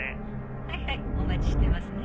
☎はいはいお待ちしてますね